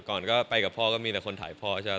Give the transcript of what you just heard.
แต่ก่อนก็ไปกับพ่อก็เต็มคนเต็มพ่อใช่ไหม